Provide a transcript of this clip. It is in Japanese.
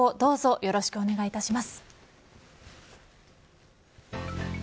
よろしくお願いします。